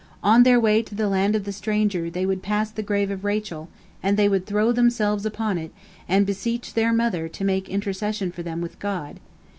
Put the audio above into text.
On their way to the land of the stranger they would pass the grave of Rachel, and they would throw themselves upon it, and beseech their mother to make intercession for them with God.